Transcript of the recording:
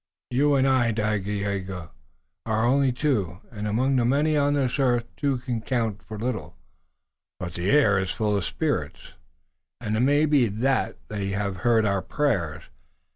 You and I, Dagaeoga, are only two, and among the many on this earth two can count for little, but the air is full of spirits, and it may be that they have heard our prayers.